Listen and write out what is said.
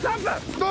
どう？